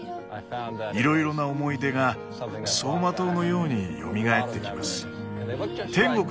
いろいろな思い出が走馬灯のようによみがえってきます。